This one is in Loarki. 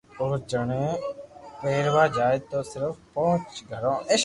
او جڻي پينوا جاتو تو صرف پئنچ گھرو